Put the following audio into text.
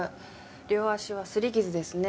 両足は擦り傷ですね。